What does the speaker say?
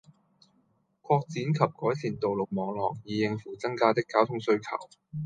擴展及改善道路網絡，以應付增加的交通需求